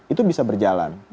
itu bisa berjalan